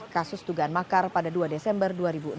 kasus dugaan makar pada dua desember dua ribu enam belas